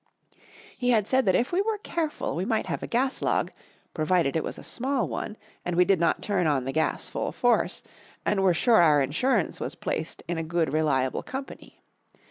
He had said that if we were careful we might have a gas log, provided it was a small one and we did not turn on the gas full force, and were sure our insurance was placed in a good, reliable company.